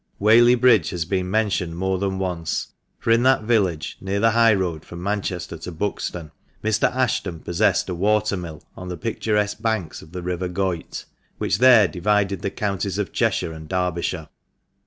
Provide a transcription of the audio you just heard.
Whaley Bridge has been mentioned more than once, for in that village, near the high road from Manchester to Buxton, Mr. Ashton possessed a water mill on the picturesque banks of the river Goyt, which there divided the counties of Cheshire and 234 THE MANCHESTER MAN. Derbyshire.